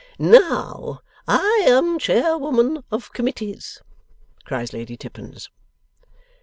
'Now, I am Chairwoman of Committees!' cries Lady Tippins.